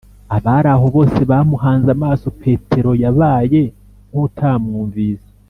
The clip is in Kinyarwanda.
abari aho bose bamuhanze amaso petero yabaye nk’utamwumvise,